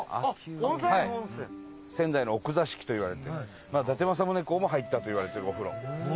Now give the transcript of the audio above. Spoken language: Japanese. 伊達：仙台の奥座敷といわれている伊達政宗公も入ったといわれてるお風呂。